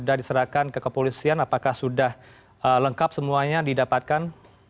sudah diserahkan ke kepolisian apakah sudah lengkap semuanya didapatkan